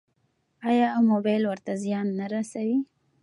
ایا موبایل ورته زیان نه رسوي؟